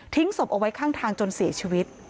ศพเอาไว้ข้างทางจนเสียชีวิต